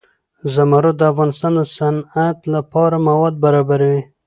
زمرد د افغانستان د صنعت لپاره مواد برابروي.